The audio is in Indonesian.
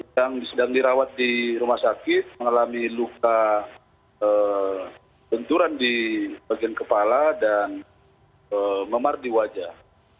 yang sedang dirawat di rumah sakit mengalami luka benturan di bagian kepala dan memar di wajah